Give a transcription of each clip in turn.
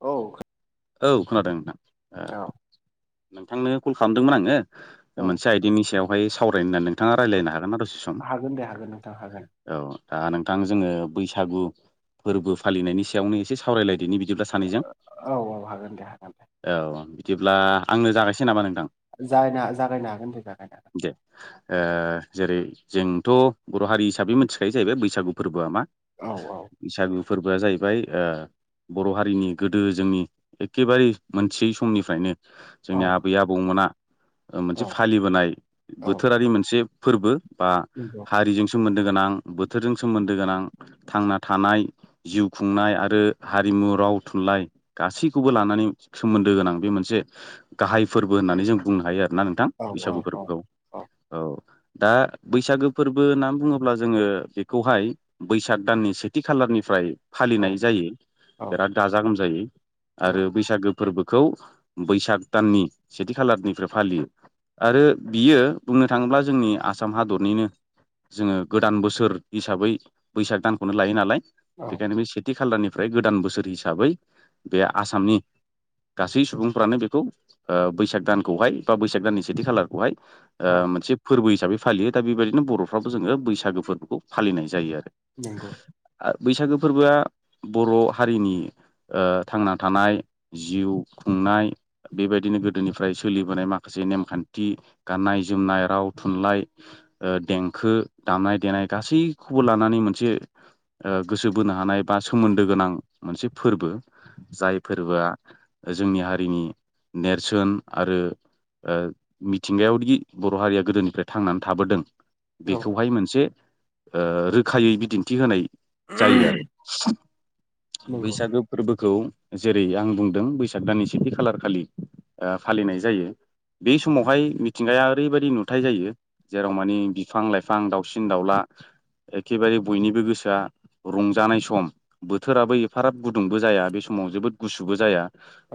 औ औ खोनादों नोंथां ओ औ नोंथांनो कल खालामदोंमोन आंङो। औ मोनसे आयदानि सायावहाय सावरायनो होननानै नोंथाङा रायज्लायनो हागोनना दसे सम? हागोन दे हागोन नोंथां हागोन औ दा नोंथां जोङो बैसागु फोरबो फालिनायनि सायावनो एसे सावरायलायदिनि बिदिब्ला सानै औ औ हागोन दे हागोन दे। औ बिदिब्ला आंनो जागायसै नामा नों थां जायना जागायनो हागोन दे जागायनो दे जेरै जोंथ' बर' हारि हिसाबै मिथिखायो जाहैबाय बैसागु फोरबोआ मा हागोन औ बैसागु फोरबोआ जाहैबाय ओ बर' हारिनि गोदो जोंनि एखेबारे मोनथियै समनिफ्रायनो औ जोंनि आबै आबौमोना औ मोनसे फालिबोनाय औ बोथोरारि मोनसे फोरबो बा नंगौ हारिजों सोमोन्दो गोनां बोथोरजों सोमोन्दो गोनां थांना थानाय जिउ खुंनाय आरो हारिमु राव थुनलाइ गासैखौबो लानानै सोमोन्दो गोनां बे मोनसे गाहाय फोरबो होननानै जों बुंनो हायो आरो। ना नोंथां औ बैसागु औ फोरबोखौ औ। दा बैसागो फोरबो होननानै बुङोब्ला जोङो बेखौहाय बैसाग दाननि सेथि खालारनिफ्राय फालिनाय जायो औ बिराद गाजा गोमजायै औ आरो बैसागो फोरबोखौ बैसाग दाननि सेथि खालारनिफ्राय फालियो। आरो बियो बुंनो थाङोब्ला जोंनि आसाम हादरनिनो जोङो गोदान बोसोर हिसाबै बैसाग दानखौनो लायो नालाय। औ बेखायनो बे सेथि खालारनिफ्राय गोदान बोसोर हिसाबै बे आसामनि गासै सुबुंफ्रानो बेखौ ओ बैसाग दानखौहाय बा बैसाग दाननि सेथि खालारखौहाय ओ औ मोनसे फोरबो हिसाबै फालियो दा बेबायदिनो बर'फ्राबो जोङो बैसागो फोरबोखौ फालिनाय जायो आरो। नोंगौ। बैसागो फोरबोआ बर' हारिनि ओ थांना थानाय जिउ खुंनाय बेबायदिनो गोदोनिफ्राय सोलिबोनाय माखासे नेमखान्थि गाननाय जोमनाय राव थुनलाइ ओ देंखो दामनाय देनाय गासैखौबो लानानै मोनसे ओ गोसो बोनो हानाय एबा सोमोन्दो गोनां मोनसे फोरबो जाय फोरबोआ जोंनि हारिनि नेरसोन आरो ओ मिथिंगायावदि बर' हारिया गोदोनिफ्राय थांनानै थाबोदों औ बेखौहाय मोनसे ओ रोखायै बिदिन्थि होनाय जायो आरो। नंगौ बैसागो फोरबोखौ जेरै आं बुंदों बैसाग दाननि सेथि खालार खालि ओ फालिनाय जायो। बे समावहाय मिथिंगाया ओरैबायदि नुथाय जायो जेराव मानि बिफां लाइफां दाउसिन दाउला एखेबारे बयनिबो गोसोआ रंजानाय सम बोथोराबो ए फाराब गुदुंबो जाया बे समाव जोबोद गुसुबो जाया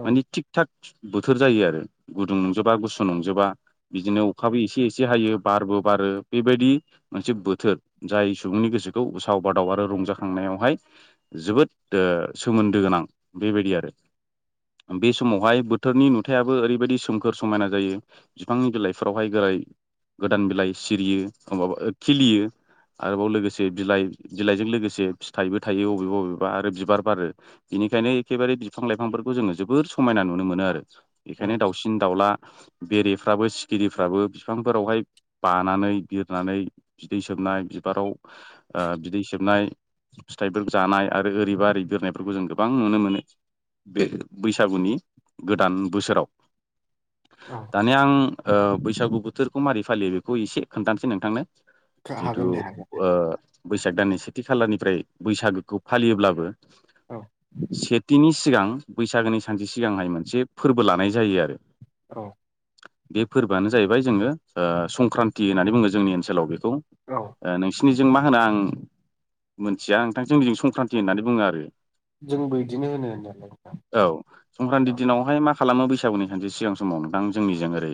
औ मानि थिग थाग बोथोर जायो आरो। गुदुं नंजोबा गुसु नंजोबा बिदिनो अखाबो एसे-एसे हायो बारबो बार रो बेबायदि मोनसे बोथोर जाय सुबुंनि गोसोखौ उसाव बादाव आरो रंजाखांनायावहाय जोबोद ओ सोमोन्दो गोनां बेबायदि आरो। बे समावहाय बोथोरनि नुथायाबो ओरैबायदि सोमखोर समायना जायो बिफांनि बिलाइफोरावहाय गोरा गोदान बिलाइ सिरियो माबा खिलियो। आरोबाव लोगोसे बिलाइ बिलाइजों लोगोसे फिथाइबो थायो बबेबा बबे बा आरो बिबार बारो बिनिखायनो एखेबारे बिफां लाइफांफोरखौ जोङो जोबोर समायना नुनो मोनो आरो। बेखायनो औ दाउसिन दाउला बेरेफ्राबो सिखिरिफ्राबो बिफांफोरावहाय बानानै बिरनानै बिदै सोबनाय बिबाराव ओ बिदै सोबनाय फिथाइफोर जानाय आरो ओरैबा ओरै बिरनायफोरखौ जों गोबां नुनो मोनो बे बैसागुनि गोदान बोसोराव। औ दानि आं ओ बैसागु बोथोरखौ मारोरै फालियो बेखौ एसे खोन्थानोसै नोंथांनो जिहेतु हागोन दे हागोन ओ बैसाग दाननि सेथि खालारनिफ्राय बैसागोखौ फालियोब्लाबो औ सेथिनि सिगां बैसागोनि सानसे सिगांहाय मोनसे फोरबो लानाय जायो आरो। औ बे फोरबोआनो जाहैबाय जोङो ओ संक्रान्ति होननानै बुङो जोंनि ओनसोलाव बेखौ। ओ औ नोंसिनिजों मा होनो आं मोनथिया नोंथांजों सम ख्रान्ति होननानै बुङो आरो जोंबो बिदिनो होनो होननायालाय नोंथां औ संक्रान्ति औ दिनावहाय मा खालामो बैसागुनि सानसे सिगां समाव नोंथां जोंनिजों ओरै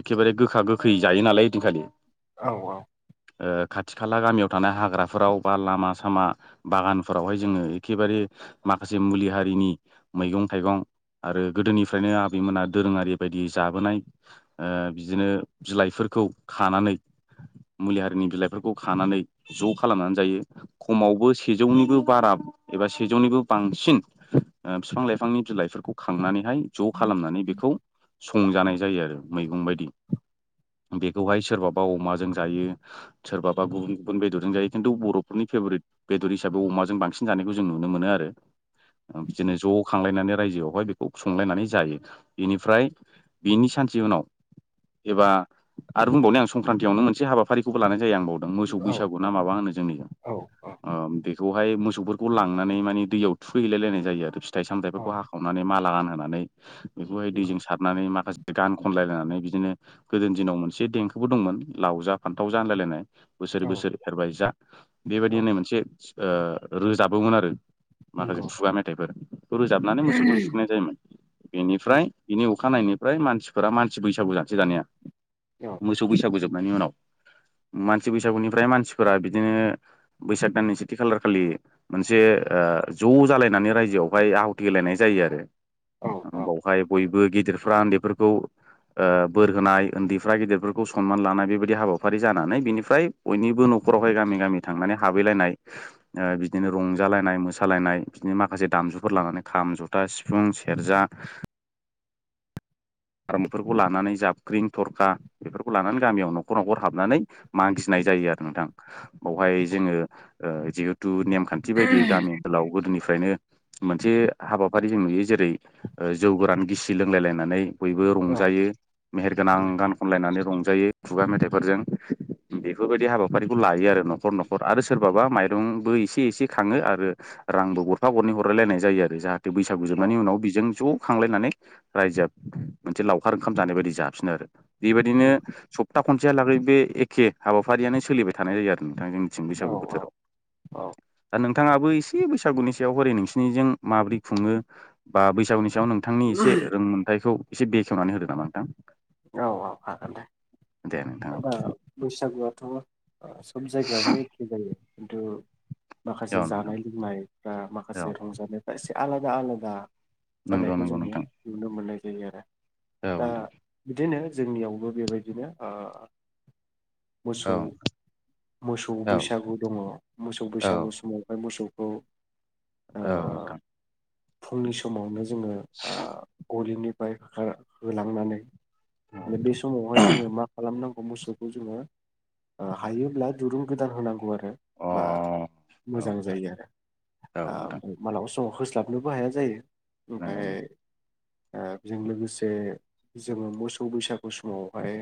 एखेबारे गोखा गोखै जायो नालाय ओयदिनखालि। औ-औ। ओ खाथि खाला गामियाव थानाय हाग्राफोराव बा लामा-सामा बागान फोरावहाय जोङो एखेबारे माखासे मुलि हारिनि मैगं थाइगं आरो गोदोनिफ्रायनो आबैमोना दोरोङारि बायदि जाबोनाय ओ बिदिनो बिलाइफोर खौ खानानै मुलि हारिनि बिलाइफोरखौ खानानै ज' खालामनानै जायो। खमावबो सेजौनिबो बारा एबा सेजौनिबो बांसिन बिफां लाइफांनि बिलाइफोरखौ खांनानै ज' खालामनानै बेखौ संजानाय जायो आरो मैगं बायदि। बेखौहाय सोरबाबा अमाजों जायो सोरबाबा गुबुन गुबुन बेदरजों जायो खिन्थु बर'फोरनि फेभरिट बेदर हिसाबै अमाजों बांसिन जानायखौ जों नुनो मोनो आरो बिदिनो ज' खांलायनानै रायजोआवहाय बेखौ संलायनानै जायो बेनिफ्राय बेनि सा से उनाव एबा आरो बुंबावनि आं संक्रान्तियावनो मोनसे हाबाफारिखौबो लानाय जायो आंबाव मोसौ औ बैसागु ना माबा होनो जोंयाव औ औ ओ बेखौ ओमफाय मोसौफोरखौ लांनानै माने दैयाव थुखैहैलायलायनाय जायो आरो फिथाइ सामथायाइफोरखौ औ हाखावनानै माला गान नानै बेखौहाय नंगौ दैजों सारनानै माखासे गान खनलायलायनानै बिदिनो गोदोनि दिनाव मोनसे देंखोबो दंमोन लाव जा फान्थाव जा होनलायलायनाय बोसोर औ बोसोर एरबाय जा बेबायदि औ होननाय मोनसे सि ओ रोजाबोमोन आरो माखासे नंगौ खुगा मेथाइफोर खौ रोजाबनानै मोसौखौ थुखैनाय जायोमोन बेनिफ्राय बिनि अ खा नायैनिफ्राय मानसिफोरा मानसि बैसागु जानोसै दानिया औ मोसौ बैसागु जोब नायनि उनाव मानसि बैसागुनिफ्राय मानसिफोरा बिदिनो बैसाग दाननिसो थि खालार खालि मोनसे ज' जालायनानै रायजोआवहाय आहुथि हेलायनाय जायो आरो औ औ ओमबावहाय बयबो गिदिरफ्रा उन्दैफोरखौ ओ बोर होनाय उन्दैफ्रा गेदिरफोरखौ सनमान लानाय बेबायदि हाबाफारि जानानै बिनिफ्राय बयनिबो न' न'खरावहाय गामि गामि थांनानै हाबैलायनाय हो ओ बिदिनो रंजालायनाय मोसालायनाय बिदिनो माखासे दामजुफोर लानानै खाम जथा सिफुं सेरजा [unintelligible] [inaudible] आरोमफोरखौ लानानै जाबख्रिं थरखा बेफोरखौ लानानै गामियाव न'खर न'खर हाबनानै मागिनाय जायो आरो नोंथां बावहाय औ जोङो ओ जि थु नेमखान्थि बायदियै गामि ओनोलाव गोदोनि फ्रायनो मोनसे हाबाफारि जों नुयो जेरै ओ जौ गोरान गिसि लोंलायलायनानै बयबो औ रंजायो मेहेरगोनां नंगौ गान खनलायनानै रंजायो खुगा मेथाइफोरजों बेफोरबायदि हाबाफारिखौ लायो आरो न'खर न'खर आरो सोरबाबा माइरंबो एसे एसे खाङो आरो ओ रांबो गरफा गरनै हरलायलायनाय जायो आरो जाहाथे बैसागु औ जोबनायनि उनाव बिजों ज' खांलायनानै रायजोआ मोनसे लावखार ओंखाम जानाय बायदि जाफिनो आरो बेबायदिनो स' था खनसेहा लागै बे एखे हाबाफारियानो सोलिबाय थानाय जायो आरोन जोंनिथिं औ बैसागु बोथोराव औ दा नों थाङाबो एसे बैसागुनि सायाव हरै नोंसिनिजों माबोरै खुङो बा बैसागुनि याव नोंथांनि एसे रोंमोनथायखौ एसे बेखेवनानै होदो नामा नोंथां औ औ हागोन दे दे नोंथां औ दा बैसागुआथ' ओ सब जायगायावनो एखे जायो खिन्थु औ माखासे नोंथां जानाय लोंनायफ्रा औ माखासे रंजानायफ्रा एसे आलादा आलादा नंगौ जानायखौ नंगौ जोङो नोंथां नुनो मोननाय जायो आरो औ दा नोदां बिदिनो जोंनियावबो बेबायदिनो ओ औ मोसौ औ औ मोसौ औ बैसागु दङ मोसौ बैसागु नोंथां समावाय मोसौ अ औ नोंथां फुंनि समावनो जोङो आ गलिनिफाय होखा होलांनानै मे बे समावहाय जोङो मा खालामनांगौ मोसौखौ जोङो ओ हायोब्ला दुरुं गोदान होनांगौ आरो मो बा औ मोजां जायो आरो नोंथां आफाय मालाबा स समाव होस्लाबनोबो हाया जायो नंगौ ओमफाय नंगौ ओ बेजों लोगोसे जोङो मोसौ बैसागु समावहाय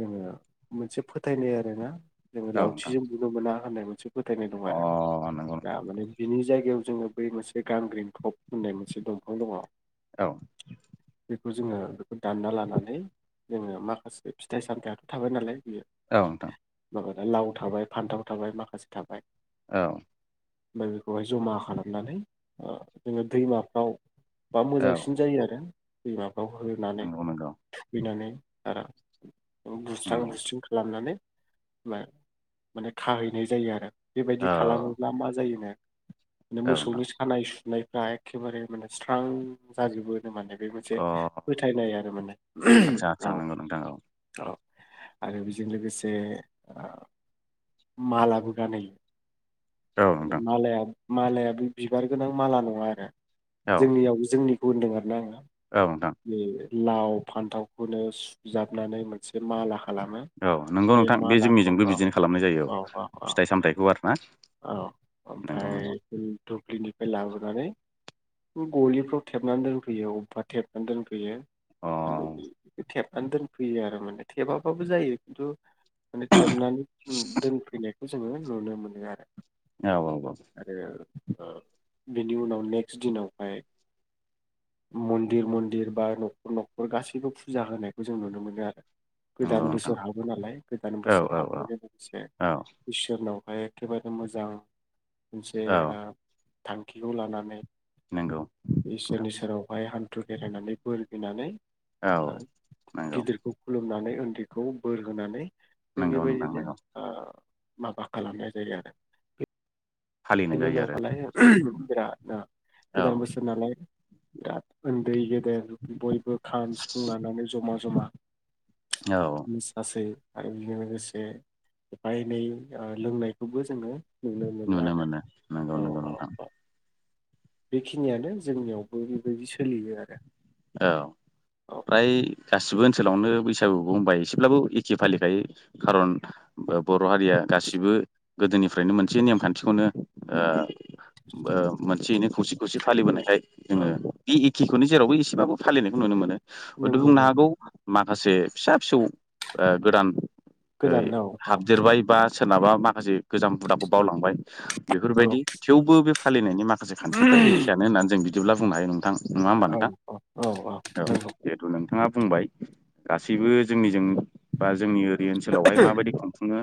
जोङो मोनसे फोथायनाय आरोना जोङो औ नोंथां लावथिजों नुनो मोना होननाय मोनसे फोथायनाय दं अ आरो नंगौ नोंथां दा माने बिनि जायगायाव जोङो बै मोनसे गांग्रिन टप होननाय मोनसे दंफां दङ औ बेखौ जोङो बेखौ दानना लानानै जोङो माखासे फिथाइ सामथायाथ' थाबाय नालाय बेयो औ नोथां माबा लाव थाबाय फान्थाव थाबाय माखासे थाबाय औ ओमफ्राय बेखौहाय जमा खालामनानै जोङो दैमाफ्राव बा औ मोजांसिन जायो आरो दै माबायाव होनानै नंगौ नंगौ थुखैनानै आरो बुस्रां नंगौ बुसथ्रिं खालामनानै माने खाहैनाय जायो आरो बेबायदि औ खालामोब्ला मा जायोनो बे औ नोंथां मोसौनि सानाय सुनायफ्रा एखेबारे माने स्रां जाजोबो माने बे मोनसे अ फोथायनाय आरो माने आदसा आदसा औ नंगौ नोंथां औ औ आरो बेजों लोगोसे मालाबो गानायहोयो औ नोंथां मालाया-मालायाया बे बिबार गोनां माला नङा आरो। औ जोंनियाव जोंनिखौ होनदों आरो ना आङो। औ नोंथां। बे लाव फान्थावखौनो सुजाबनानै मोनसे माला। खालामो औ नोंगौ नोंथां बे मालाखौ जोंनिजोंबो औ बिदिनो खालामनाय जायो। औ औ औ फिथाइ सामथाइखौ आरो ना औ ओमफ्राय नंगौ-नंगौ। दुब्लिनिफ्राय लाबोनानै गलिफ्राव थेबनानै दोनफैयो अबेबा थेबनानै दोनफैयो अ [unintelligible] नानै दोनफैयो आरो माने थेबाबाबो जायो खिन्थु माने थेबनानै दोनफैनायखौ जोङो नुनो मोनो आरो। औ नोंगौ। आरो ओ बेनि उनाव नेक्स्ट दिनावहाय। मन्दिर-मन्दिर बा न'खर-न'खर गासैबो फुजा होनायखौ जों नुनो मोनो आरो। नंगौ गोदान नोंथां बोसोर हाबो नालाय गोदान औ बोसोर औ औ हाबनायजों लोगोसे। औ। उनावहाय एखेबारे मोजां मोनसे औ ओ थांखिखौ लानानै। नंगौ नोंथां इसोरनि सेरावहाय हान्थु खेरायनानै बोर बिनानै औ ओ नंगौ गिदिरखौ खुलुमनानै उन्दैखौ बोर होनानै। जों नंगौ नोंथां बेबायदिनो नंगौ। ओ माबा खालामनाय जायो आरो फालिनाय बेनि जायो आरो उनावबालाय बिराद औ गोदान बोसोर नालाय। बिराद उन्दै गेदेर बयबो खाम सिफुं लानानै जमा-जमा औ [unintelligible] आरो बेजों लोगोसे एफा एनै लोंनायखौबो जोङो नुनो मोनो आरो। औ नोंगौ-नोंगौ औ नोंथां। औ बेखिनियानो जोंनियावबो बेबायदि सोलियो आरो। औ औ फ्राय गासिबो ओनसोलावनो बैस सागुखौ बुंबाय एसेब्लाबो एखे फालिखायो खारन बर' हारिया गासिबो गोदो निफ्रायनो मोनसे नेमखान्थिखौनो ओ ओ मोनसेनो खौसे खौसे फालिबोनायहाय जोङो औ बे एखेखौनो जेरावबो ए एबाबो फालिनायखौ नुनो मोनो हयथ' नंगौ बुंनो नंगौ हागौ मा खासे फिसा-फिसौ ओ गोदान ओ गोदान औ औ हाबदेरबाय बा सोरनाबा माखासे गोजाम हुदाखौ बावलांबाय नंगौ बेफोरबायदि थेवबो बे फालिनाय नि माखासे खान्थिफोर एखेयानो होननानै जों बिदिब्ला बुंनो हायो नोंथां नङा होमबा औ नोंथां? औ औ औ नंगौ जिहेथु नोंथाङा बुंबाय गासैबो जोंनिजों बा जोंनि ओरै ओनसोलावहाय माबायदि खुंफुङो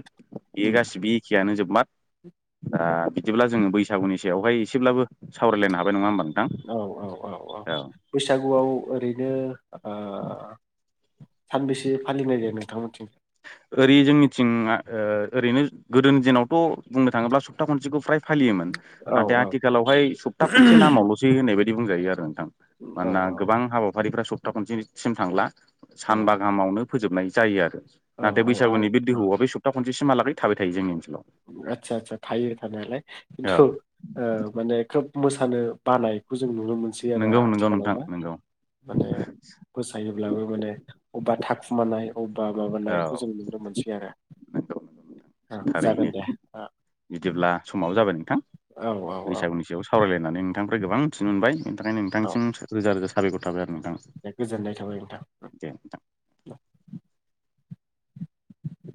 बे उम गासिबो एखेयानो जोब माद ओ बिदिब्ला जोङो बैसागुनि सायावहाय एसेब्लाबो सावरायलायनो हाबाय नङा होमबा नो औ औ औ औ बैसागुआव ओरैनो ओ सानबैसे फालिनाय जायो नोंथां मोनथिं? ओरै जोंनिथिं ओ ओरैनो गोदोनि दिनावथ' बुंनो थाङोब्ला सप्ता खनसेखौ फ्राय फालियोमोन औ नाथाय आथिखालावहाय सप्ता खनसे नामावल'सै होननाय बायदि बुंजायो आरो ओं औ औ मानोना गोबां हाबाफारिफ्रा सप्ता खनसेसिम थांला औ सानबा गाहामावनो फोजोबनाय जायो आरो नाथाय औ आरो बैसागुनि आदसा बेोहौआवआ बे सप्ता खनसेसिमहालागै थाबाय थायो जोंनि ओ आतसा-आतसा थायो थानायालाय औ खिन्थु ओ माने खोब मोसानो बानायखौ जों नु नुनो मोनसै आरो नंगौ नंगौ नोंथां आथिखालावनो नंगौ माने मोसायोब्लाबो माने अबेबा थाखुमानाय अबेबा औ माबानायखौ जों नुनो मोनसै आरो नंगौ जागोन थारैनो दे बिदिब्ला समाबो जाबाय नोंथां। औ औ औ बैसागुनि सायाव सावरायलायनानै नोंथांनिफ्राय गोबां मिथिनो मोनबाय बेनि थाखायनो औ नोंथांसि रोजा-रोजा साबायखर थाबाय आरो नोंथां दे गोजोननाय थाबाय नोंथां दे नोंथां। [inaudible]